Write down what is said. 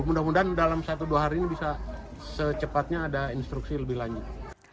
mudah mudahan dalam satu dua hari ini bisa secepatnya ada instruksi lebih lanjut